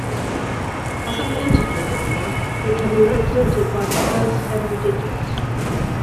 As an integer number, it can be represented by the first seven digits.